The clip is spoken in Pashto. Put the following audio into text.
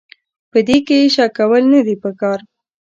په دې کې شک کول نه دي پکار.